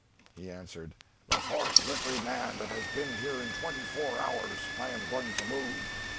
He answered, "The fourth littery man that has been here in twenty four hours. I am going to move."